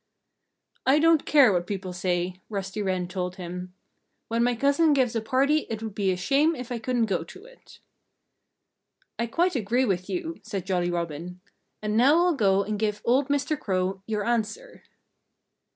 "I don't care what people say," Rusty Wren told him. "When my cousin gives a party it would be a shame if I couldn't go to it." "I quite agree with you," said Jolly Robin. "And now I'll go and give old Mr. Crow your answer."